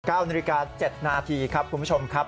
๙นาฬิกา๗นาทีครับคุณผู้ชมครับ